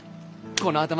この頭。